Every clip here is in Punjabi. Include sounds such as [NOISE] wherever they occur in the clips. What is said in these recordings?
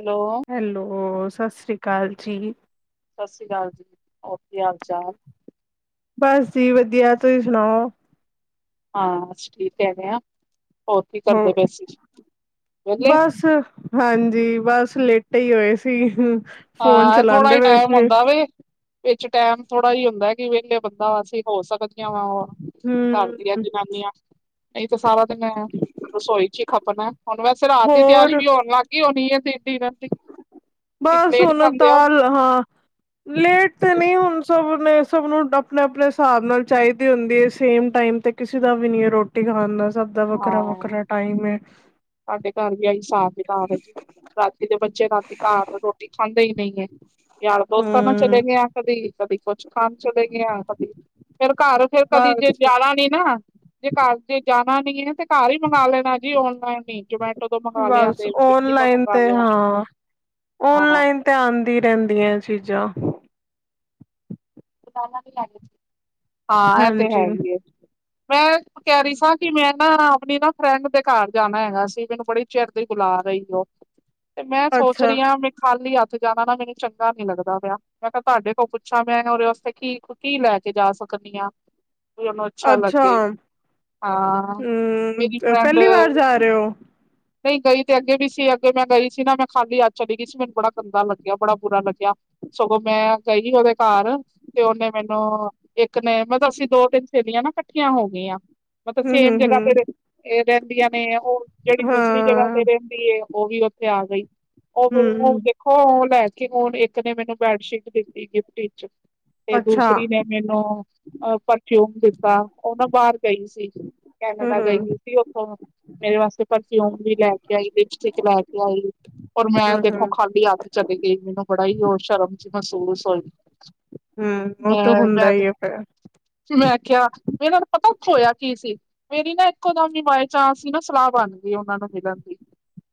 ਹੈਲੋ। ਹੈਲੋ, ਸਤਿ ਸ੍ਰੀ ਅਕਾਲ ਜੀ। ਸਤਿ ਸ਼੍ਰੀ ਅਕਾਲ ਜੀ। ਔਰ ਕੀ ਹਾਲ ਚਾਲ? ਬਸ ਜੀ ਵਧੀਆ, ਤੁਸੀਂ ਸੁਣਾਓ? ਹਾਂ ਅਸੀਂ ਠੀਕ ਹੈਗੇ ਆ। ਹੋਰ ਕੀ ਕਰਦੇ ਬਏ ਅਸੀਂ? ਵਿਹਲੇ? ਸ। ਹਾਂਜੀ, ਬਸ ਲੇਟੇ ਈ ਹੋਏ ਸੀ। ਫੋਨ ਹਾਂ, ਏਹ ਥੋੜਾ ਚਲਾਉਂਦੇ ਈ ਪਏ ਟਾਈਮ ਸੀ, ਹੁੰਦਾ ਵੇ। ਇੱਚ ਟੈਮ ਥੋੜਾ ਈ ਹੁੰਦਾ ਹੈ, ਕਿ ਵੇਹਲੇ ਬੰਦਾ, ਅਸੀਂ ਹੋ ਸਕਦੀਆਂ ਵਾ ਘਰ ਦੀਆਂ ਹੂੰ ਜਨਾਨੀਆਂ। ਨਹੀਂ ਤਾਂ ਸਾਰਾ ਦਿਨ, ਰਸੋਈ ਚ ਈ ਖਪਣਾ ਏ, ਹੁਣ ਵੈਸੇ ਰਾਤ ਦੀ ਤਿਆਰੀ ਹੋਰ ਵੀ ਹੋਣ ਲੱਗ ਦੀ ਹੋਣੀ ਏ ਤੇ ਡਿਨਰ ਦੀ ਬਸ ਲੇਟ ਹੁਣ ਖਾਂਦੇ ਹੋ ਤਾਲ ਹਾਂ, ਲੇਟ ਤੇ ਨਈ ਹੁਣ ਸਵ ਨੇ ਸਵ ਨੂੰ ਹੁਣ ਆਪਣੇ-ਆਪਣੇ ਸਾਬ ਨਾਲ ਚਾਈਦੀ ਹੁੰਦੀ ਏ, ਸੇਮ ਟਾਈਮ ਤੇ, ਕਿਸੇ ਦਾ ਵੀ ਨੀ ਏ ਰੋ ਰੋਟੀ ਖਾਣ ਦਾ ਸਬਦਾ ਵੱਖਰਾ-ਵੱਖਰਾ ਹਾਂ ਟਾਈਮ ਏ। ਸਾਡੇ ਘਰ ਵੀ ਏਈ ਸਾਬ ਕਿਤਾਬ ਏ। ਰਾਤੀ ਤੇ ਬੱਚੇ, ਰਾਤੀ ਕਾਰ ਨੂੰ ਰੋਟੀ ਖਾਂਦੇ ਈ ਨਈ ਏ। ਯਾਰਾਂ ਦੋਸਤ ਨੂ ਚਲੇ ਹੂੰ, ਗਏ ਆ ਕਦੀ-ਕਦੀ ਕੁਛ ਖਾਣ ਚਲੇ ਗਏ ਆ ਕਦੀ, ਫਿਰ ਕਾਰ, ਫਿਰ ਕਦੀ ਜੇ ਬਸ ਜਾਣਾ ਨੀ ਨਾ ਜੇ ਕਾਰ ਜੇ ਜਾਣਾ ਨੀ ਏ, ਤੇ ਕਾਰ ਈ ਮੰਗਾ ਲੈਣਾ ਏ ਜੀ ਔਨਲਾਈਨ ਈ, ਜੋਮੇ ਬਸ ਔਨਲਾਈਨ ਤੇ ਹਾਂ, ਹਾਂ ਔਨਲਾਈਨ ਤੇ ਆਂਦੀ ਰੇਂਦੀਆਂ ਏ ਚੀਜ਼ਾਂ। [UNINTELLIGIBLE] ਵੀ ਲੇ ਗਈ, ਹਾਂ ਏਹ ਤੇ ਹੈ ਹਾਂਜੀ, ਈ ਐ। ਮੈਂ ਕੇਹ ਰਈ ਸਾਂ, ਕਿ ਮੈਂ ਮੈਂ ਆਪਣੀ ਨਾ, ਫਰੈਂਡ ਦੇ ਕਾਰ ਜਾਣਾ ਹੈਗਾ ਸੀ, ਮੈਨੂੰ ਬੜੀ ਚਿਰ ਦੀ ਬੁਲਾ ਰਈ ਉਹ। ਤੇ ਮੈਂ ਸੋਚ ਅੱਛਾ, ਰਈ ਆ ਮੇ ਖਾਲੀ ਹਾਥ ਜਾਣਾ ਨਾ, ਮੈਨੂੰ ਚੰਗਾ ਨੀ ਲੱਗਦਾ ਬੇਆ, ਮੈਂ ਕੇਆ ਤੁਹਾਡੇ ਤੋਂ ਪੁੱਛਾ। ਮੈਂ ਔਰ ਸਤੇ ਕੀ, ਕੀ ਲੈ ਕੇ ਜਾ ਸਕਦੀ ਆ? ਕਿ ਉਹਨੂੰ ਅੱਛਾ ਲੱਗੇ। ਹਾਂ, ਮੇਰੀ ਹੂੰ, ਫਰੇਂਡ ਪਹਿਲੀ ਵਾਰ ਜਾ ਰਹੇ ਹੋ? ਨਈ ਗਈ ਤੇ ਅੱਗੇ ਵੀ ਸੀ। ਅੱਗੇ ਮੈਂ ਗਈ ਸੀ ਨਾ, ਮੈਂ ਖਾਲੀ ਹਾਥ ਚਲੀ ਗਈ ਸੀ, ਮੈਨੂੰ ਬੜਾ ਗੰਦਾ ਲੱਗੇਆ, ਬੜਾ ਬੁਰਾ ਲੱਗਿਆ। ਸਗੋਂ, ਮੈਂ ਗਈ ਉਹਦੇ ਕਾਰ ਤੇ ਔਨੇ ਮੈਨੂੰ, ਇੱਕ ਨੇ ਮਤਲਬ ਅਸੀਂ ਦੋ, ਤਿੰਨ ਸੇਲੀਆਂ ਨਾ ਕੱਠੀਆਂ ਹੋ ਗਈਆਂ। ਮਤਲਬ ਸੇਮ ਜਗ੍ਹਾ ਹੂੰ-ਹੂੰ-ਹੂੰ, ਤੇ, ਏ ਰਹਿੰਦੀਆਂ ਨੇ ਉਹ ਜਿਹੜੀ ਦੂਸਰੀ ਜਗ੍ਹਾ ਹਾਂ, ਤੇ ਰੇਂਦੀ ਏ, ਉਹ ਵੀ ਔਥੇ ਆ ਗਈ। ਉਹ [UNINTELLIGIBLE] ਹੂੰ, ਹੋ ਔ ਲੈ ਕੇ, ਔਣ ਏਕ ਨੇ ਮੈਨੂੰ ਬੈਡਸ਼ੀਟ ਦਿੱਤੀ ਗਿਫਟੀ ਇੱਚ। ਤੇ ਅੱਛਾ, ਦੂਸਰੀ ਨੇ ਮੈਨੂੰ, ਅਹ ਪਰਫਿਊਮ ਦਿੱਤਾ। ਉਹ ਨਾ ਬਾਹਰ ਗਈ ਸੀ। ਕੈਨੇਡਾ ਗਈ ਹੂੰ-ਹੂੰ, ਹੋਈ ਸੀ, ਔਥੋਂ ਮੇਰੇ ਵਾਸਤੇ ਪਰਫਿਊਮ ਵੀ ਲੈ ਕੇ ਆਈ, ਲਿਪਸਟਿਕ ਲੈ ਕੇ ਆਈ, ਔਰ ਮੈਂ ਦੇਖੋ ਹੂੰ-ਹੂੰ, ਹੂੰ ਖਾ ਖਾਲੀ ਹਾਥ ਚਲੇ ਗਈ, ਮੈਨੂੰ ਬੜਾ ਈ ਉਹ, ਸ਼ਰਮ ਜੀ ਮਹਿਸੂਸ ਹੋਈ। ਹੂੰ ਹੂੰ ਉਹ ਤੇ ਹੈਂ, ਹੁੰਦਾ ਮੈਂ ਹੀ ਹੈ ਫੇਰ, ਤੇ ਮੈਂ ਕੇਆ, ਏਹਨਾਂ ਨੂੰ ਪਤਾ ਔਥੇ ਹੋਇਆ ਕੀ ਸੀ? ਮੇਰੀ ਨਾ ਇੱਕੋ ਦਮ ਵੀ, ਬਾਏ ਚਾਂਸ ਈ ਨਾ ਸਲਾਹ ਬਣ ਹੁੰਦੀ ਏ ਉਹਨਾਂ ਨੂੰ ਮਿਲਣ ਦੀ।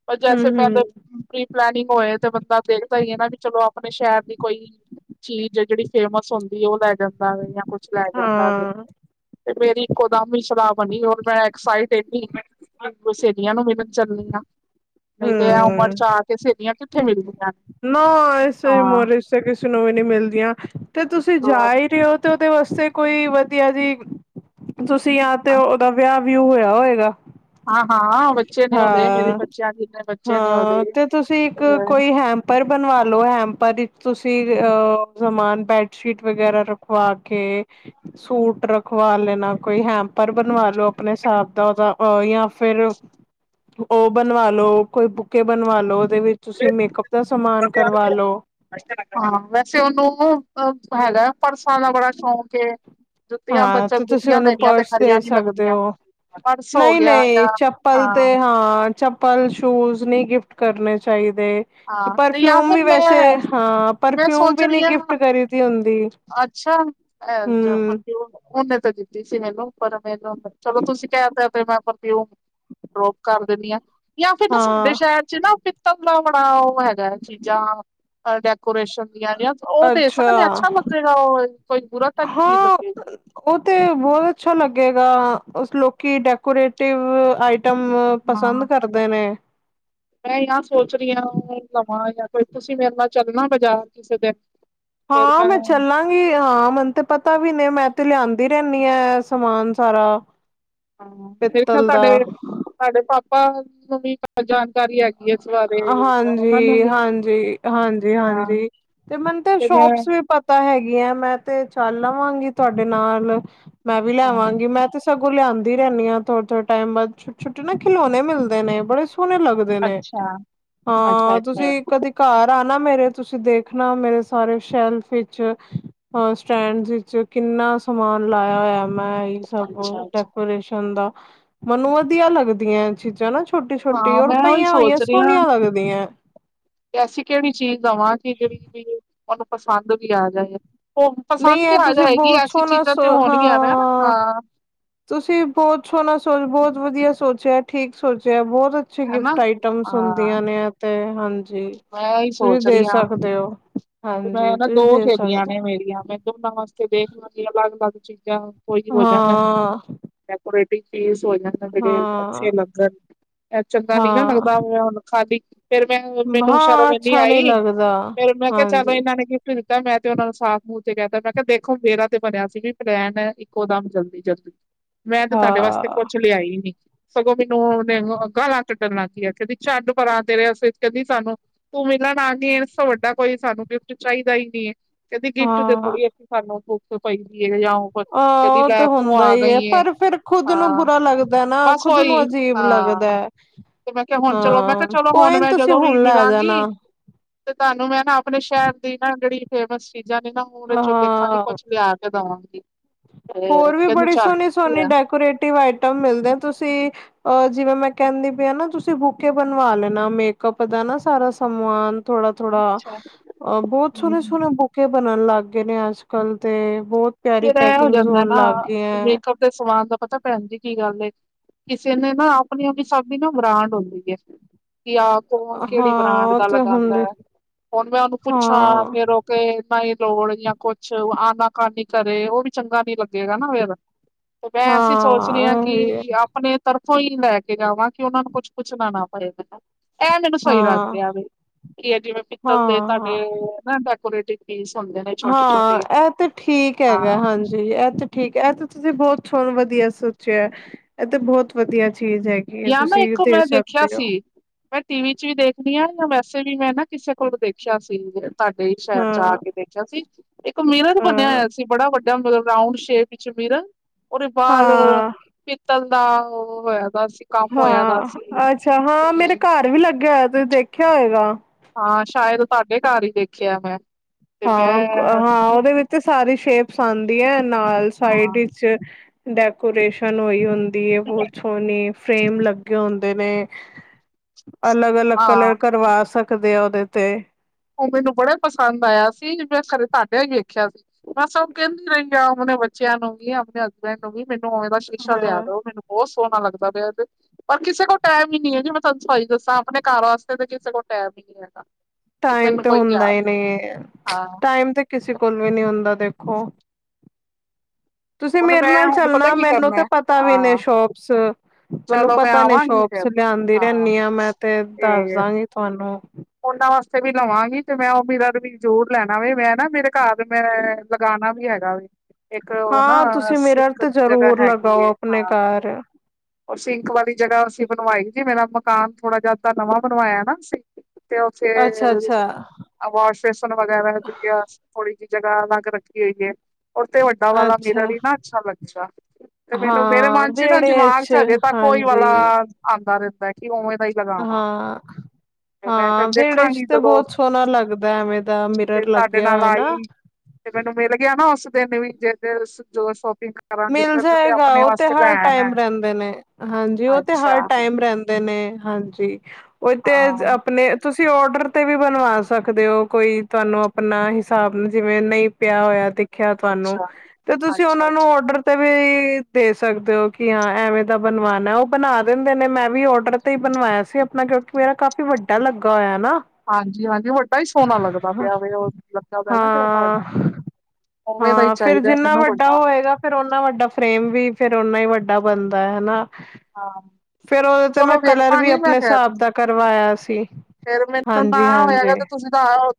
ਪਰ ਜੈਸੇ ਹੂੰ-ਹੂੰ, ਪੇਹਲੇ ਪ੍ਰੀ ਪਲੈਨਿੰਗ ਹੋਏ, ਤੇ ਬੰਦਾ ਵੇਖਦਾ ਈ ਐ ਨਾ, ਵੀ ਚਲੋ ਆਪਣੇ ਸ਼ਹਿਰ ਦੀ ਕੋਈ ਚੀਜ਼ ਐ, ਜਿਹੜੀ ਫੇਮਸ ਹੁੰਦੀ ਐ, ਉਹ ਲੈ ਜਾਂਦਾ ਜਾਂ, ਕੁਛ ਲੈ ਜਾਂਦਾ। ਹਾਂ। ਤੇ ਮੇਰੀ ਇੱਕੋਦਮ ਈ ਸਲਾਹ ਬਣੀ, ਔਰ ਮੈਂ ਐਕਸਾਈਟ ਏਨੀ [UNINTELLIGIBLE] ਸਲੀਆਂ ਨੂੰ ਮਿਲਣ ਚੱਲੀ ਆਂ। ਨਈ ਤੇ ਏਹ ਉਮਰ ਹੂੰ, ਚ ਆ ਕੇ, ਸੇਲੀਆਂ ਕਿੱਥੇ ਮਿਲਦੀ ਨਾ, ਇਸੇ ਉਮਰ ਇੱਚ ਤੇ ਕਿਸੇ ਨੂੰ ਵੀ ਨਈ ਮਿਲਦੀਆਂ। ਤੇ ਤੁਸੀਂ ਜਾ ਈ ਰਏ ਔ ਤੇ ਉਹਦੇ ਵਾਸਤੇ ਕੋਈ ਵਧੀਆ ਜੀ, ਤੁਸੀਂ ਯਾ ਤੇ ਔ ਔਹਦਾ ਵਯਾ ਵਿਊ ਹੋਇਆ ਹੋਏਗਾ? ਹਾਂ ਹਾਂ ਬੱਚੇ ਨੇ ਉਹਦੇ ਮੇਰੇ ਹਾਂ, ਬੱਚਿਆਂ ਜਿੰਨੇ ਬੱਚੇ ਨੇ ਹਾਂ ਉਹਦੇ ਤੇ ਤੁਸੀਂ ਇੱਕ ਕੋਈ ਹੇਮ ਪਰ ਬਣਵਾ ਲੋ, ਹੈਮਪਰ, ਇੱਕ ਤੁਸੀਂ ਅਹ ਸਮਾਨ ਬੈਡਸ਼ੀਟ ਵਗੈਰਾ ਰ ਖਵਾਕੇ ਸੂਟ ਰਖਵਾ ਲੈਣਾ। ਕੋਈ ਹੈਂਪਰ ਬਣਵਾ ਲੋ, ਆਪਣੇ ਹਿਸਾਬ ਦਾ ਉਹਦਾ ਯਾਂ, ਫਿਰ ਉਹ ਬਣਵਾ ਲੋ, ਕੋਈ ਬੁੱਕੇ ਬਣਵਾ ਲੋ, ਉਹਦੇ ਵਿੱਚ ਤੁਸੀ ਮੇਕਅਪ ਦਾ ਸਮਾਨ ਕਰਵਾ ਲੋ। ਹਾਂ। ਵੈਸੇ, ਉਹਨੂੰ ਹੈਗਾ, ਪਰਸਾਂ ਦਾ ਬੜਾ ਸ਼ੌਂਕ ਏ। ਜੁੱਤੀਆਂ ਹਾਂ, ਬੱਚਾ ਤੇ, ਤੁਸੀਂ ਜੁੱਤੀਆਂ ਉਹਨੂੰ ਦੇਣੀਆਂ ਤੇ ਪਰਸ ਦੇ ਖਰੀਆਂ ਨੀ ਸਕਦੇ ਲੱਗਦੀਆਂ ਹੋ। ਪਰਸ ਹੋ ਗਿਆ ਨਹੀਂ-ਨਹੀਂ, ਜਾਂ ਚੱਪਲ ਹਾਂ ਤੇ, ਹਾਂ, ਚੱ ਪਲ, ਸ਼ੂਜ ਨਹੀਂ ਗਿਫਟ ਕਰਨੇ ਚਾਹੀਦੇ। ਹਾਂ ਤੇ ਜਾਂ ਪਰਫਿਉਮ ਫਿਰ ਵੀ, ਵੈਸੇ, ਮੈਂ ਹਾਂ। ਮੈਂ ਪਰਫਿਊਮ ਸੋਚ ਵੀ, ਰਹੀ ਨਹੀਂ, ਹਾਂ ਗਿਫਟ ਕਰੀ ਦੀ ਹੁੰਦੀ। ਅੱਛਾ ਹਮ ਉਹਨੇ ਤੇ ਦਿੱਤੀ ਸੀ। ਮੈਨੂੰ, ਪਰ ਮੈਨੂੰ, ਚਲੋ ਤੁਸੀਂ ਕਹਿ ਤਾ, ਤੇ ਮੈਂ ਉਹ ਡਰੋਪ ਕਰ ਦਿੰਨੀ ਆ, ਯਾਂ, ਫੇਰ ਸਾਡੇ ਹਾਂ ਸ਼ਹਿਰ'ਚ, ਨਾ ਪਿੱਤ ਆਪਣਾ ਉਹ ਹੈਗਾ, ਚੀਜ਼ਾਂ ਡੈਕੋਰੇਸ਼ਨ ਦੀਆਂ ਉਹ ਦੇ ਸਕਨੇ ਆਂ? ਅੱਛਾ, ਲੱਗੇਗਾ। ਉਹ ਕੋਈ ਬੁਰਾ ਤਾਂ, ਨੀ ਚੀਜ਼ ਹਾਂ ਲੱਗੇਗੀ? ਉਹ ਤੇ, ਬਹੁਤ ਅੱਛਾ ਲੱਗੇਗਾ। ਉਸ ਲੋਕੀ ਡੈਕੋਰੇਟਿਵ ਆਈ ਟਮ ਪਸੰਦ ਹਾਂ ਕਰਦੇ ਨੇ। ਮੈਂ, ਆ, ਸੋਚ ਰਹੀ ਆਂ। ਲਵਾਂ ਜਾਂ, ਕੋਈ ਤੁਸੀਂ ਮੇਰੇ ਨਾਲ ਚੱਲਣਾ, ਬਜ਼ਾਰ ਕਿਸੇ ਦਿਨ। ਹਾਂ, ਮੈਂ, ਚੱਲਾਂ ਹਾਂ, ਮੈਨੂੰ ਤੇ ਪਤਾ ਵੀ ਨਹੀਂ ''ਮੈਂ, ਤੇ ਲਿਆਂਦੀ ਰਹਿੰਨੀ ਏ, ਸਮਾਨ ਸਾਰਾ ਹਾਂ, ਮੇਰੇ ਖਿਆਲ! ਪਿੱਤਲ ਦਾ ਤੁਹਾਡੇ, ਤੁਹਾਡੇ ਪਾਪਾ ਨੂੰ ਵੀ ਜਾਣਕਾਰੀ ਹੈਗੀ ਇਸ ਬਾਰੇ ਜਾਂ ਉਹਨਾਂ ਨੂੰ ਵੀ ਹਾਂਜੀ-ਹਾਂਜੀ- ਹਾਂਜੀ- ਹਾਂ ਹਾਂਜੀ! ਤੇ, ਮੰਨ ਤੇ ਸ਼ੋਪਸ ਵੀ ਪ ਤਾਂ ਹੈਗੀ ਆ, ਮੈਂ, ਤੇ ਚੱਲ ਆਵਾਂਗੀ ਤੁਹਾਡੇ ਨਾਲ, ਮੈਂ, ਵੀ ਹਾਂ ਲੈਵਾਂਗੀ ਮੈਂ, ਤੇ ਸਗੋਂ ਲਿਆਂਦੀ ਰਹਿੰਨੀ ਆ, ਥੋੜ ਥੋੜੇ ਟਾਇਮ ਬਾਅਦ ਛੋ- ਛੋਟੇ ਨਾ ਖਿਲੋਣੇ ਮਿਲਦੇ ਨੇ। ਬੜੇ ਸੋਹਣੇ ਲੱਗਦੇ ਨੇ, ਅੱਛਾ ਅੱਛਾ ਹਾਂ, ਅੱਛਾ ਤੁਸੀਂ ਕਦੀ ਘਰ ਆਣਾ ਮੇਰੇ, ਤੁਸੀਂ ਦੇਖਣਾ ਮੇਰੇ ਸਾਰੇ ਸ਼ੈਲਫ ਵਿਚ ਅ ਸਟੈਂਡ ਇੱਚ ਕਿੰਨਾ ਸਮਾਨ ਲਾਇਆ ਹੋਇਆ। ਮੈਂ ਸਭ ਅੱਛਾ ਅੱਛਾ ਡੈਕੋਰੇਸ਼ਨ ਦਾ, ਮੰਨੂੰ ਵਧੀਆ ਲੱਗਦੀਆਂ ਚੀਜ਼ਾਂ ਨਾ, ਛੋਟੀ-ਛੋਟੀ, ਹਾਂ ਔਰ ਮੈਂ ਉਹੀ ਪਈਆਂ ਹੋਈਆਂ, ਸੋਚ ਰਹੀ ਹਾਂ ਸੋਹਨੀਆ ਲੱਗਦੀਆਂ ਐਸੀ ਕਿਹੜੀ ਚੀਜ਼ ਦਵਾਂ? ਕੀ, ਜਿਹੜੀ ਵੀ ਉਹਨੂੰ ਪਸੰਦ ਵੀ, ਆ ਜਾਏ । ਉਹ ਪਸੰਦ ਨਹੀਂ ਵੀ ਇਹ ਆ ਤੁਸੀਂ ਜਾਏਗੀ, ਬਹੁਤ ਐਸੀ ਸੋਹਣਾ ਚੀਜ਼ਾਂ ਸੋ ਤੇ ਹੋਣਗੀਆਂ ਨਾ, ਹਾਂ ਹਾਂ । ਤੁਸੀਂ ਬਹੁਤ ਛੋਹਣਾ ਸੋਚ, ਬਹੁਤ ਵਧੀਆ ਸੋਚਿਆ, ਠੀਕ ਸੋਚਿਆ। ਬਹੁਤ ਅ ਹਨਾ ਗਿਫਟ ਆਈਟਮਸ ਹਾਂ ਹੁੰਦੀਆਂ ਨੇ, ਤੇ, ਹਾਂਜੀ ਜੇ, ਮੈਂ ਇਹੀ ਤੁਸੀਂ ਸੋਚ ਦੇ ਰਹੀ ਹਾਂ ਸਕਦੇ ਹੋ। ਤੇ ਮੈਂ ਹਾਂਜੀ, ਨਾ ਤੁਸੀਂ ਦੋ ਦੇ ਸਹੇਲੀਆਂ ਸਕਦੇ। ਨੇ ਮੇਰੀਆਂ ''ਮੈਂ ਦੋਨਾਂ ਵਾਸਤੇ ਦੇਖ ਲਾਂਗੀ, ਅਲੱਗ-ਅਲੱਗ ਚੀਜ਼ਾਂ ਕੋਈ ਹੋ ਜਾਣਾ। ਡੈਕੋਰੇਟਿਵ ਚੀਜ਼ ਹੋ ਜਾਣ, ਕਿਹੜੇ ਹਾਂ ਅੱਛੇ ਲੱਗਣ ਐੱ, ਚੰਗਾ ਨੀ, ਨਾ ਹਾਂ ਲੱਗਦਾ ਹੋਇਆ। ਖਾਲੀ ਫੇਰ, ਮੈਂ, ਮੈਨੂੰ ਸ਼ਰਮ ਹਾਂ ਇੰਨੀ ਅੱਛਾ ਨਹੀਂ ਆਈ ਲੱਗਦਾ ਫੇਰ, ਮੈਂ, ਕਿਹਾ ਚਲੋ, ਹਾਂਜੀ ਇਹਨਾਂ ਨੇ ਗਿਫਟ ਦਿੱ ਤਾਂ, ਮੈਂ, ਤੇ ਉਹਨਾਂ ਨੂੰ ਸਾਫ਼ ਮੂੰਹ ਤੇ ਕਹਿਤਾ ''ਮੈਂ ਕਿਹਾ ਦੇਖੋ ਮੇਰਾ ਤੇ ਬਣਿਆ ਸੀ, ਵੀ ਪਲੈਨ ਇੱਕੋ ਦਮ ਜਲਦੀ-ਜਲਦੀ। ਮੈਂ, ਤੇ ਤੁਹਾਡੇ ਹਾਂ ਵਾਸਤੇ ਕੁਛ ਲਿਆਈ ਨੀ। ਸਗੋਂ ਮੈਨੂੰ, ਉਹਨੇ ਗਾਲਾਂ ਕੱਟਣ ਲੱਗਗੀਆਂ, ਕਹਿੰਦੀ ਛੱਡ ਪਰਾਂ, ਤੇਰੇ ਆਸਤੇ, ਸੀ ਕਹਿੰਦੀ ਸਾਨੂੰ, ਤੂੰ ਮਿਲਣ ਆਨੀ ਏ, ਇਸ ਤੋ ਵੱਡਾ ਕੋਈ, ਸਾਨੂੰ ਗਿਫਟ ਚਾਹੀਦਾ ਹੀ ਨਹੀਂ ਏ। ਕਹਿੰਦੇ ਗਿਫਟ ਤੇ ਹਾਂ ਥੋੜ੍ਹੀ ਅਸੀ ਸਾਨੂੰ ਭੁੱਕ ਪੈਂਦੀ ਹੈ ਯਾਂ, ਉਹ ਆਹ ਕਦੀ ਉਹ ਤੇ ਲੈ, ਤੂੰ, ਹੁੰਦਾ ਆ ਹੀ ਹੈ ਗਈਂ ਏ, ਪਰ ਫਿਰ ਖੁਦ ਨੂੰ ਹਾਂ। ਬੁਰਾ ਲੱਗਦਾ ਨਾ ਬਸ, ਖੁਦ ਨੂੰ ਓਹੀ, ਅਜੀਬ ਲੱਗਦਾ ਹਾਂ! ਤੇ, ਮੈਂ ਕਿਹਾ ਹੁਣ ਚਲੋ, ''ਮੈਂ ਕਿਹਾ ਹਾਂ ਚਲੋ, ਹੁਣ, ਕੋਈ ਨੀ ਮੈਂ ਤੁਸੀਂ ਜਦੋਂ ਵੀ ਹੁਣ ਲੈ ਮਿਲਾਂਗੀ ਜਾਣਾ ਤੇ, ਤੁਹਾਨੂੰ ਮੈਂ, ਨਾ ਆਪਣੇ ਸ਼ਹਿਰ ਦੀ ਨਾ ਜਿਹੜੀ ਫੇਮਸ ਚੀਜ਼ਾਂ ਨੇ, ਨਾ ਕਦੇ, ਚੋਂ ਦੇਖਾਂਗੀ ਹਾਂ ਕੁਛ ਲਿਆ ਦਾਂਗੇ ਹੋਰ ਵੀ, ਬੜੀ ਸੋਹਣੀ- ਸੋਹਣੀ ਲਿਆ ਡੈਕੋਰੇਟਿਵ ਆਈਟਮ ਮਿਲਦੇ। ਤੁਸੀਂ ਅ ਜਿਵੇਂ, ਮੈਂ ਕਹਿੰਨੀ ਪਈ ਆ, ਨਾ, ਤੁਸੀਂ ਬੁਕੇੇ ਬਣਵਾ ਲੈਣਾ। ਮੇਕਅਪ ਦਾ ਨਾ, ਸਾਰਾ ਸਮਾਨ ਥੋੜਾ-ਥੋੜਾ, ਅ ਬਹੁਤ ਸੋਹਣੇ, ਸੋਹਣੇ ਬੁ ਪੇ ਬਣਨ ਲੱਗ ਗਏ ਨੇ ਅੱਜ ਕਲ ਤੇ ਬਹੁਤ ਪਿਆਰੀ ਫਿਰ ਇਹ ਹੋ ਪੈਕਿੰਗ ਜਾਂਦਾ ਹੋਣ ਨਾ ਲੱਗ ਗਏ । ਮੇਕਅਪ ਸਮਾਨ ਦਾ ਪਤਾ ਭੈਣ ਜੀ ਕੀ ਗੱਲ ਏ ਕਿਸੇ ਨੇ ਨਾ ਆਪਣੀ ਆਪਣੀ ਸਭੀ ਨਾ ਬਰਾਂਡ ਹੁੰਦੀ ਹੈ । ਕੀ ਆਹ ਕੌਣ ਕਿਹੜੀ ਬ੍ਰਾਂਡ ਹਾਂ ਉਹ ਦਾ ਤੇ ਲਗਾਉਂਦਾ ਹੁੰਦੇ ਹੈ ਹੁਣ ਮੈਂ ਉਹਨੂੰ ਪੁੱਛਾਂ ਹਾਂ ਫੇਰ ਉਹ, ਨਾ ਹੀ ਲੋੜ ਜਾਂ ਕੁਛ ਆਨਾ ਕਾਨੀ ਕਰੇ ਉਹ ਵੀ ਚੰਗਾ ਨੀ ਲੱਗੇਗਾ ਨਾ ਫਿਰ, ਤੇ ਮੈਂ ਐਸੀਂ ਸੋਚਦੀ ਹਾਂ ਕਿ ਆਪਣੇ ਤਰਫੋਂ ਹੀ ਲੈ ਕੇ ਜਾਵਾਂ, ਕਿ ਉਹਨਾਂ ਨੂੰ ਕੁਛ ਪੁੱਛਣਾ ਨਾ ਪਏਗਾ। । ਇਹ ਮੈਨੂੰ ਸਹੀ ਲੱਗ ਹਾਂ ਰਿਹਾ ਵੀ ਕੀ ਜਿਵੇਂ ਪਿੱਤਲ ਦੇ ਤੁਹਾਡੇ ਹਾਂ ਨਾ ਡੈਕੋਰੇਟਿ ਸੁ ਹੁੰਦੇ ਨੇ ਛੋਟੇ ਛੋਟੇ ਹਾਂ ਇਹ ਤੇ ਠੀਕ ਹਾਂ ਹੈਗਾ ਹਾਂਜੀ ਇਹੱਥ ਠੀਕ ਹੈ ਇਹ ਤੇ ਤੁਸੀਂ ਬਹੁਤ ਸਹਣ ਵਧੀਆ ਸੋਚਿਆ, ਇਹ ਤੇ ਬਹੁਤ ਵਧੀਆ ਚੀਜ਼ ਹੈਗੀ । ਯ ਮੈਂ ਇੱਕੋ ਮੈਂ ਦੇਖਿਆ ਸੀ ਟੀਵੀ ਚ ਵੀ ਦੇਖਦੀ ਆਂ ਜਾਂ ਵੈਸੇ ਵੀ ਮੈਂ ਨਾ ਕਿਸੇ ਕੋਲ ਦੇਖਿਆ ਸੀ ਤੁਹਾਡੇ ਸ਼ਹਿਰ ਚ ਆ ਹਾਂ ਕੇ ਦੇਖ ਸੀ ਇੱਕ ਮੀਰਨ ਬਣਿਆ ਹਾਂ ਹੋਇਆ ਸੀ ਬੜਾ ਵੱਡਾ ਮਤਲਬ ਰਾਂਊਡ ਸ਼ੇਪ ਵਿੱਚ ਮੀਰਨ, ਉਦੇਵਾਰ ਹਾਂ ਪਿੱਤਲ ਦਾ ਉਹ ਹੈਦਾ ਸੀ । ਹਾਂ ਅੱਛਾ, ਹਾਂ ਮੇਰੇ ਘਰ ਵੀ ਲੱਗਿਆ ਹੋਇਆ ਤੁਸੀਂ ਦੇਖਿਆ ਹੋਏਗਾ । ਹਾਂ ਸ਼ਾਇਦ ਤੁਹਾਡੇ ਘਰ ਹੀ ਦੇਖਿਆ ਮੈਂ। ਤੇ ਮੈਂ ਹਾਂ -ਹਾਂ ਉਹਦੇ ਵਿੱਚ ਤੇ ਸਾਰੀ ਸ਼ੇਪਸ ਆਉਂਦੀ ਹੈ ਨਾਲ ਸਾਈਡ ਹਾਂ, ਵਿਚ ਡੈਕੋਰੇਸ਼ਨ ਹੋਈ ਹੁੰ ਦੀ ਬਹੁਤ ਸੋਹਣੀ ਫਰੇਮ ਲੱਗੇ ਹੁੰਦੇ ਨੇ । ਅਲੱਗ -ਅਲੱਗ ਹਾਂ ਕਲਰ ਕਰਵਾ ਸਕਦੇ ਆ ਉਹਦੇ ਤੇ। ਉਹ ਮੈਨੂੰ ਬੜਾ ਪਸੰਦ ਆਇਆ ਸੀ। ਮੈਂ ਖਰੇ ਤੁਾਡਿਆਂ ਹੀ ਵੇਖਿਆ ਸੀ। ਮੈਂ ਸਭ ਕਹਿੰਦੀ ਰਹਿੰਦੀ ਉਹਣੇ ਬੱਚਿਆਂ ਨੂੰ ਵੀ ਆਪਣੇ ਹਸਬੈਂਡ ਨੂੰ ਵੀ ਮੈਨੂੰ ਉਵੇਂ ਦਾ ਸ਼ੀਸ਼ਾ ਲਿਆ ਹਾਂ ਦੋ ਮੈਨੂੰ। ਬਹੁਤ ਸੋਹਣਾ ਲੱਗਦਾ ਪਿਆ ਤੇ ਪਰ ਕਿਸੇ ਕੋਲ ਟਾਈਮ ਹੀ ਨਹੀਂ ਹੈ ਜੀ ਮੈਂ ਤੁਹਾਨੂੰ ਸਈ ਦੱਸਾਂ, ਆਪਣੇ ਘਰ ਵਾਸਤੇ ਤਾਂ ਕਿਸੇ ਕੋਲ ਟਾਈਮ ਹੀ ਨਹੀਂ ਹੈਗਾ। ਟਾਈਮ ਮੈਨੂੰ ਤੇ ਕੋਈ ਹੁੰਦਾ ਯਾਦ ਹੀ ਹੈ ਨਹੀਂ। ਹਾਂ ਟਾਈਮ ਤੇ ਕਿਸੇ ਕੋਲ ਵੀ ਨਹੀਂ ਹੁੰਦਾ ਦੇਖੋ। ਤੁਸੀਂ ਹੁਣ ਮੇਰੇ ਮੈਂ ਨਾਲ ਹੁਣ ਪਤਾ ਚੱਲਣਾ ਕੀ ਮੈਨੂੰ ਤੇ ਕਰਨਾ ਪਤਾ ਵੀ ਨੇ ਹਾਂ ਸ਼ੋਪਸ ਮੈਨੂੰ ਚਲੋ ਮੈਂ ਪਤਾ ਨੇ ਆਵਾਂਗੀ ਸ਼ੋਪ। ਫਿਰ ਲਿਆਂਦੀ ਰਹਿੰਨੀ ਹਾਂ ਮੈਂ ਤੇ ਦੱਸਦਾਂਗੀ ਤੁਹਾਨੂੰ। ਉਹਨਾਂ ਵਾਸਤੇ ਵੀ ਲਵਾਂਗੀ ਤੇ ਮੈਂ ਉਹ ਮਿਰਰ ਵੀ ਜ਼ਰੂਰ ਲੈਣਾ ਵ ਮੈਂ ਨਾ ਮੇਰੇ ਘਰ ਮੈਂ। ਲਗਾਣਾ ਵੀ ਹੈਗਾ ਵੈ। ਇੱਕ ਉਹ ਨਾ ਹਾਂ ਤੁਸੀਂ ਮਿਰਰ ਸ਼ਕ ਤੇ ਦੀ ਜਗ੍ਹਾ ਜ਼ਰੂਰ ਹੈਗੀ ਲਗਾਓ ਏ। ਆਪਣੇ ਹਾਂ। ਘਰ ਔਰ ਸਿੰਕ ਵਾਲੀ ਜਗ੍ਹਾ ਅਸੀਂ ਬਣਵਾਈ ਜੀ। ਮੇਰਾ ਮਕਾਨ ਥੋੜਾ ਜਿਹਾ ਤਾਂ ਨਵਾਂ ਬਣਵਾਇਆ ਨਾ। ਤੇ ਓ ਫੇ ਅੱਛਾ ਅੱਛਾ ਵਾਸ਼ ਬੇਸਨ ਵਗੈਰਾ ਦੀ ਥੋੜੀ ਜਿਹੀ ਜਗਾ ਅਲਗ ਰੱਖੀ ਹੋਈ ਹੈ । ਉਥੇ ਵੱਡਾ ਵਾਲਾ ਮਿਰਰ ਅੱਛਾ ਵੀ ਨਾ ਅੱਛਾ ਲੱਗਦਾ, ਤੇ ਮੈਨੂੰ ਮੇਰੇ ਹਾਂ ਮਨ ਚ ਨਾ ਵਿਹੜੇ ਦਿਮਾਗ । ਚ ਹਜੇ ਤੱਕ ਉਹੀ ਵਾਲਾ ਹਾਂਜੀ ਆਉਂਦਾ ਰਹਿੰਦਾ ਕਿ ਉਵੇਂ ਦਾ ਲਗਾਵਾਂ ਹਾਂ ਤੇ ਮੈਂ ਫਿਰ ਹਾਂ, ਵਿਹੜੇ ਚ ਦੇਖਾਂਗੀ ਤੇ ਜਦੋਂ ਬਹੁਤ ਸੋਹਣਾ ਲੱਗਦਾ ਐਵੇਂ ਦਾ ਤੇ ਮਿਰਰ ਤੁਹਾਡੇ ਲੱਗਿਆ ਨਾਲ ਹੋਆ ਨਾ। ਆਈ ਤੇ ਮੈਨੂੰ ਮਿਲ ਗਿਆ ਨਾ ਉਸ ਦਿਨ ਵੀ ਜੇ ਜੋ ਸ਼ੋਪਿੰਗ ਕਰਾਂਗੀ ਤੇ ਮਿਲ ਮੈਨੂੰ ਤੇ ਜਾਏਗਾ ਆਪਣੇ ਉਹ ਤੇ ਵਾਸਤੇ ਹਰ ਲੈਣਾ ਐ। ਟਾਈਮ ਰਹਿੰਦਾ। ਨੇ ਹਾਂਜੀ। ਉਹ ਤੇ ਅੱਛਾ ਹਰ ਟਾਈਮ ਰਹਿੰਦੇ ਨੇ, ਹਾਂਜੀ ਤੇ ਹਾਂ ਆਪਣੇ ਤੁਸੀਂ ਔਡਰ ਤੇ ਵੀ ਬਣਵਾ ਸਕਦੇ ਔ। ਕੋਈ ਤੁਹਾਨੂੰ ਆਪਣਾ ਹਿਸਾਬ ਜਿਵੇਂ ਨਹੀਂ ਪਿਆ ਹੋਇਆ ਤੇ। ਖਿਆ ਤੁਹਾਨੂੰ ਅੱਛਾ, ਤੇ ਤੁਸੀਂ ਅੱਛਾ, ਉਹਨਾ ਨੂੰ ਅੱਛਾ ਡਰ ਤੇ ਵੀ ਦੇ ਸਕਦੇ ਹੋ ਕਿ ਹਾਂ ਐਵੇਂ ਦਾ ਬਣਵਾਨਾ ਹੈ ਉਹ ਬਣਾ ਦਿੰਦੇ ਨੇ ਮੈਂ ਵੀ ਔਡਰ ਤੇ ਬਣਵਾਇਆ ਸੀ ਆਪਣਾ ਕਿਉਂਕਿ ਇਹ ਕਾਫ਼ੀ ਵੱਡਾ ਲੱਗਾ ਹੋਇਆ ਨਾ। ਹਾਂਜੀ, ਹਾਂਜੀ। ਵੱਡਾ ਹੀ ਸੋਹਣਾ ਲੱਗਦਾ ਹਾਂ ਪਿਆ ਵੈ ਉਹ ਲੱਗਾ ਪਿਆ ਨਾ ਜਿਹੜਾ ਤੁਹਾਡਾ। ਹਾਂ ਉਵੇਂ ਦਾ ਹੀ ਹਾਂ, ਫੇਰ ਚਾਹੀਦਾ ਜਿੰਨਾ ਮੈਨੂੰ ਵੱਡਾ ਹੋਏਗਾ। ਫੇਰ ਓਨਾ ਵੱਡਾ ਫਰੇਮ ਵੀ, ਫੇਰ ਓਨਾ ਹੀ ਵੱਡਾ ਬਣਦਾ ਹੈਨਾ। ਹਾਂ। ਫੇਰ ਉਹਦੇ ਤੇ ਮੈਂ ਚਲੋ ਕਲਰ ਵੀ ਵੇਖਾਂਗੀ ਮੈਂ ਆਪਣੇ ਫੇਰ ਹਿਸਾਬ ਦਾ ਕਰਵਾਇਆ ਸੀ। ਫੇਰ ਮੈਤੋਂ ਨਾ ਹਾਂਜੀ ਹਾਂਜੀ। ਹੋਇਆ ਤੇ ਤੁਸੀਂ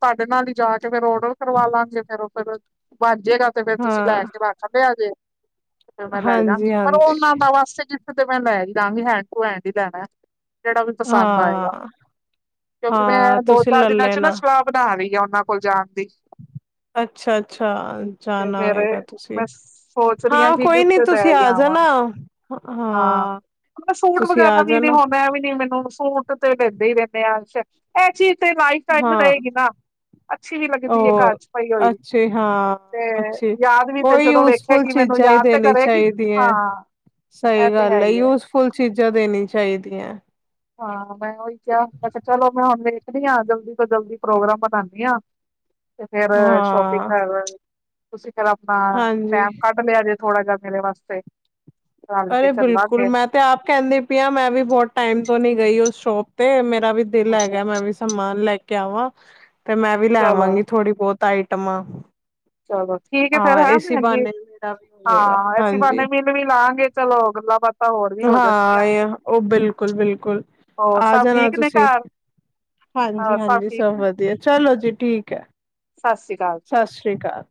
ਸਾਡੇ ਨਾਲ ਹੀ ਜਾ ਕੇ ਫੇਰ ਔਡਰ ਕਰਵਾ ਲਾਂਗੇ ਫੇਰ ਉਹ ਫੇਰ ਵਣ ਜੇਗਾ। ਤੇ ਫੇਰ ਤੁਸੀਂ ਹਾਂ ਗੈਸ ਦੇ ਬਾਰ ਛੱਡ ਆਏਜੇ। ਮੈਂ ਲੈ ਹਾਂਜੀ ਜਾਂਗੀ ਪਰ ਹਾਂਜੀ ਉਹਨਾਂ ਦਾ ਵਾਸਤੇ ਜੈ ਤੇ ਮੈਂ ਲੈ ਹੀ ਜਾਵਾਂਗੀ ਹੈਂਡ ਟੂ ਹੈਂਡ ਹੀ ਲੈਣਾ ਜਿਹੜਾ ਵੀ ਪਸੰਦ ਆਏਗਾ। ਹਾਂ ਕਿਉਂਕਿ ਮੈਂ ਹਾਂ ਦੋ ਤੁਸੀਂ ਚਾਰ ਲੈ ਦਿਨਾਂ ਚ ਨਾ ਲੈਣਾ। ਸਲਾਹ ਬਣਾ ਰਹੀ ਆ ਉਹਨਾਂ ਕੋਲ ਜਾਣ ਦੀ। ਅੱਛਾ, ਅੱਛਾ ਤੇ ਜਾਣਾ ਫੇਰ ਹੋਏਗਾ ਤੁਸੀਂ। ਮੈਂ ਸੋਚ ਰਹੀ ਹਾਂ ਕਿ ਕੋਈ ਨੀ। ਗਿਫਟ ਲੈ ਤੁਸੀਂ ਹੀ ਆ ਆਵਾਂ ਜਾਣਾ। ਹਾਂ, ਸੂਟ ਤੁਸੀਂ ਵਗੈਰਾ ਆ ਵੀ ਨ ਜਾਣਾ ਹੁੰਦਾ ਵੀ ਨੀ ਮੈਨੂੰ ਸੂਟ ਤੇ ਲੈਂਦੇ ਹੀ ਰਹਿੰਦੇ ਆ। ਇਹ ਚੀਜ਼ ਤੇ ਲਾਈਫ ਟਾਈਮ ਹਾਂ ਰਹੇਗੀ ਨਾ। ਅੱਛੀ ਵੀ ਲੱਗਦੀ ਏ ਉਹ ਘਰ ਚ ਪਈ ਹੋਈ। ਅੱਛੇ ਹਾਂ ਤੇ ਅੱਛੇ ਯਾਦ ਵੀ ਤੇ ਉਹ ਜਦੋਂ ਯੂਜਫੁਲ ਵੇਖੇਗੀ ਮੈਨੂੰ ਚੀਜ਼ਾਂ ਹੀ ਯਾਦ ਤੇ ਦੇਣੀ ਕਰੇਗੀ ਚਾਹੀਦੀਆਂ। ਹਾਂ। ਸਹੀ ਇਹ ਤੇ ਹੈ ਗੱਲ ਏ ਹੀ ਹੈ ਯੂਜਫੁਲ ਚੀਜ਼ਾਂ ਦੇਣੀ ਚਾਹੀਦੀਆਂ। ਹਾਂ, ਮੈਂ ਉਹੀ ਕਿਹਾ ਮੈਂ ਚਲੋ ਮੈਂ ਹੁਣ ਵੇਖਦੀ ਹਾਂ ਜਲਦੀ ਤੋਂ ਜਲਦੀ ਪ੍ਰੋਗਰਾਮ ਬਨਾਨੀ ਆ। ਤੇ ਫੇਰ ਸ਼ੋਪਿੰਗ ਹਾਂ ਕਰ ਤੁਸੀਂ ਫੇਰ ਆਪਣਾ ਹਾਂਜੀ ਟੈਮ ਕੱਡ ਲਿਆ ਜੇ ਥੋੜਾ ਜਿਆ ਮੇਰੇ ਵਾਸਤੇ ਰਲ ਕੇ ਅਰੇ ਬਿਲਕੁਲ ਚੱਲਾਂਗੇ। ਮੈਂ ਤੇ ਆਪ ਕਹਿੰਦੀ ਪੀਆਂ ਮੈਂ ਵੀ ਬਹੁਤ ਟਾਈਮ ਤੋਂ ਨੀ ਗਈ ਉਸ ਸ਼ੋਪ ਤੇ ਮੇਰਾ ਵੀ ਦਿਲ ਅੱਛਾ। ਹੈਗਾ ਮੈਂ ਵੀ ਸਮਾਨ ਲੈ ਕੇ ਆਵਾਂ ਤੇ ਮੈਂ ਵੀ ਚਲੋ, ਲੈਵਾਂਗੀ ਥੋੜ੍ਹੀ ਬਹੁਤ ਆਈਟਮਾਂ। ਚਲੋ ਠੀਕ ਏ ਫੇਰ ਹਾਂ ਹੈ ਇਸੀ ਬਹਾਨੇ ਮੇਰਾ ਵੀ ਹੋ ਜਾਏਗਾ ਹਾਂ ਐਸੀ ਹਾਂਜੀ ਬਾਨੇ ਵੀ ਲਾਾਂਗੇ ਚਲੋ ਗੱਲਾਂ ਬਾਤਾਂ ਹੋਰ ਵੀ ਹਾਂ। ਹੋ ਜਾਣਗੀਆਂ। ਆ ਉਹ ਬਿਲਕੁਲ ਬਿਲਕੁਲ ਹੋਰ ਆ ਸਭ ਜਾਣਾ ਠੀਕ ਨੇ ਤੁਸੀਂ ਘਰ, । ਹਾਂਜੀ ਹੋਰ ਹਾਂਜੀ ਠੀਕ ਸਭ ਨੇ, ਵਧੀਆ ਚਲੋ ਜੀ ਠੀਕ ਹੈ। ਸਤਿ ਸ੍ਰੀ ਅਕਾਲ। ਸਤਿ ਸ਼੍ਰੀ ਠੀਕ ਹੈ।